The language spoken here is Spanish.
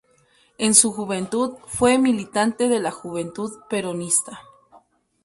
En su juventud fue militante de la Juventud Peronista.